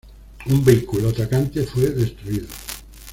Un vehículo atacante fue destruido.